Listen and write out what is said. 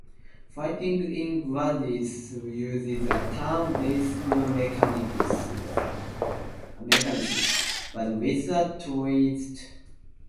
Fighting in "Gladius" uses a turn-based mechanism, but with a twist.